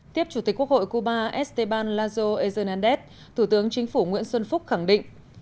tiếp chủ tịch quốc hội cuba esteban lazo ezerandez thủ tướng chính phủ nguyễn xuân phúc khẳng định